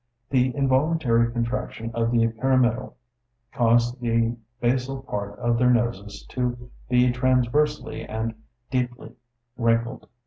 The involuntary contraction of the pyramidal caused the basal part of their noses to be transversely and deeply wrinkled.